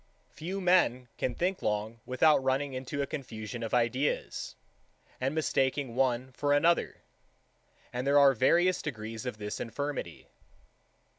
4. Few men can think long without running into a confusion of ideas, and mistaking one for another; and there are various degrees of this infirmity.